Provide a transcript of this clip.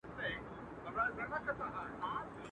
چي یې غټي بنګلې دي چي یې شنې ښکلي باغچي دي.